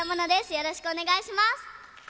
よろしくお願いします！